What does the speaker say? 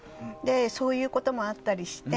そういうこともあったりして。